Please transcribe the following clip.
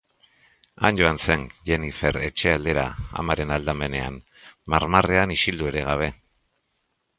Han joan zen Jennifer etxe aldera amaren aldamenean, marmarrean isildu ere gabe.